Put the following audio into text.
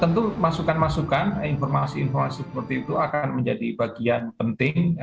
tentu masukan masukan informasi informasi seperti itu akan menjadi bagian penting